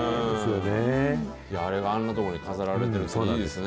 あれがあんなところに飾られてる、いいですね。